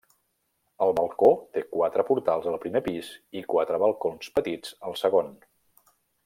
El balcó té quatre portals al primer pis i quatre balcons petits al segon.